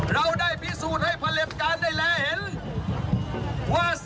เราได้พิสูจน์ให้พลตการณ์ได้แล้วเห็น